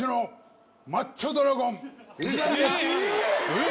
「えっ？